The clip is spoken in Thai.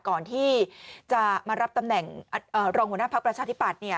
ก่อนที่จะมารับตำแหน่งรองหัวหน้าภักดิ์ประชาธิปัตย์